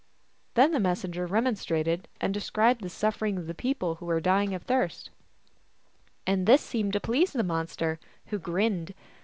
Then the messenger remonstrated, and described the suffering of the people, who were dying of thirst. 116 THE ALGONQUIN LEGENDS. And tins seemed to please the monster, who grinned.